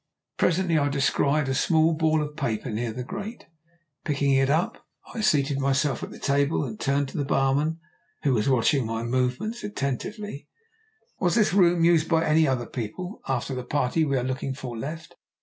Presently I descried a small ball of paper near the grate. Picking it up I seated myself at the table and turned to the barman, who was watching my movements attentively. "Was this room used by any other people after the party we are looking for left?"